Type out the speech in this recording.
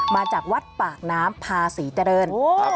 มาจากวัดปากน้ำพาศรีเจริญ